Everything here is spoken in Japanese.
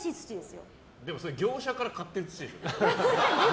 でも業者から買ってる土でしょ？